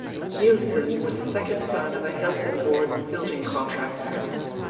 Nilsson was the second son of a Helsingborg building contractor.